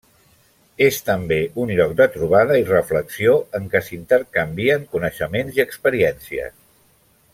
És també un lloc de trobada i reflexió en què s'intercanvien coneixements i experiències.